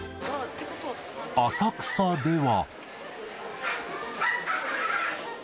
浅草では。